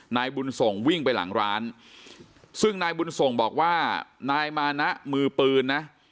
นายบุญส่งวิ่งไปหลังร้านซึ่งนายบุญส่งบอกว่านายมานะมือปืนนะ